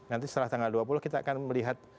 nanti setelah tanggal dua puluh kita akan melihat